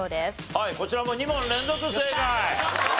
はいこちらも２問連続正解。